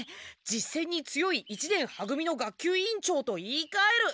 実戦に強い一年は組の学級委員長と言いかえる。